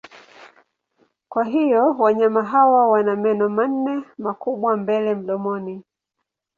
Kwa hivyo wanyama hawa wana meno manne makubwa mbele mdomoni.